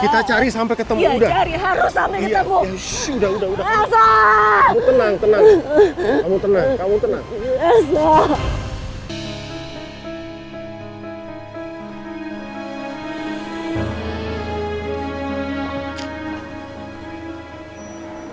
kita cari sampai ketemu ya cari harus sampai ketemu sudah udah kamu tenang tenang kamu tenang kamu tenang